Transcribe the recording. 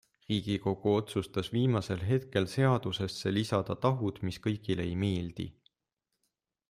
Riigikogu otsustas viimasel hetkel seadusesse lisada tahud, mis kõigile ei meeldi.